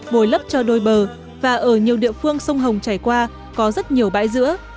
và ở nhiều địa phương sông hồng trải qua có rất nhiều bãi dữa